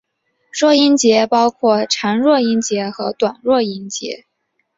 弱音节包括长弱音节和短弱音节。